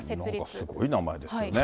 すごい名前ですね。